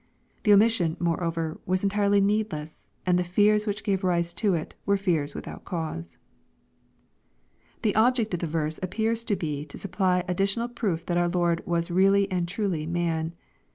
The omission, moreover, was entirely needless, and the fears which gave rise to it, were fears without cause. The object of the verse appears to be to supply additional proof , that our Lord was really and truly man.